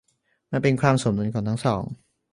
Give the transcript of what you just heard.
มันเป็นความสมดุลของทั้งสอง